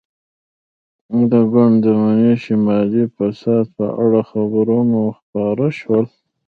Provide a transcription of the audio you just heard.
د ګوند د منشي د مالي فساد په اړه خبرونه خپاره شول.